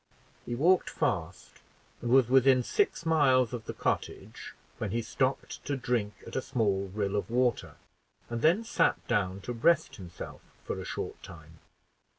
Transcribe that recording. He walked fast, and was within six miles of the cottage, when he stopped to drink at a small rill of water, and then sat down to rest himself for a short time.